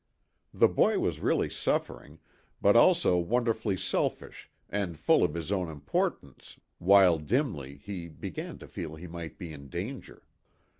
The boy was really suffering, but also wonderfully selfish and full of his own impor tance while, dimly, he began to feel he might be in danger.